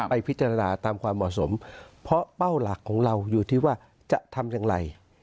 ไปพิจารณาตามความเหมาะสมเพราะเป้าหลักของเราอยู่ที่ว่าจะทำอย่างไร